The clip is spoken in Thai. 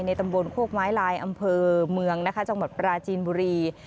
ตำบลโคกไม้ลายอำเภอเมืองนะคะจังหวัดปราจีนบุรี